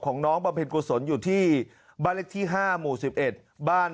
ของน้องบำเพ็ญกุศลอยู่ที่บาลิกที่๕หมู่๑๑บ้าน